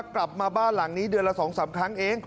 กลับมาบ้านหลังนี้เดือนละ๒๓ครั้งเอง